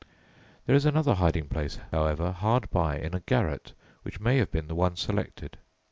There is another hiding place, however, hard by in a garret which may have been the one selected.